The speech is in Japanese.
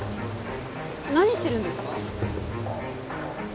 何してるんですか？